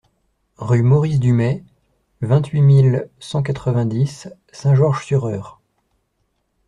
Rue Maurice Dumais, vingt-huit mille cent quatre-vingt-dix Saint-Georges-sur-Eure